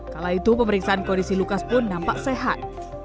kala itu pemeriksaan kondisi lukas pun nampak sehat